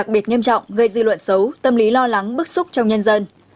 việc nghiêm trọng gây dư luận xấu tâm lý lo lắng bức xúc trong nhân dân